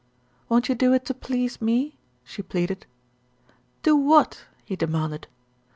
"Won't you do it to please me?" she pleaded. "Do what?" he demanded.